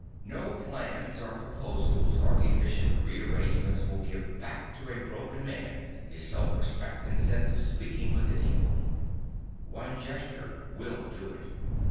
No plans or proposals or efficient rearrangements will give back to a broken man his self respect and sense of speaking with an equal One gesture will do it.